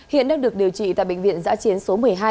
hiện đang được điều trị tại bệnh viện giã chiến số một mươi hai